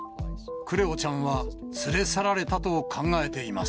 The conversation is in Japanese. クレオちゃんは連れ去られたと考えています。